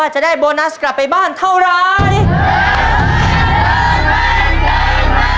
จะได้โบนัสกลับไปบ้านเท่าไร